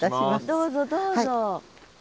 どうぞどうぞ。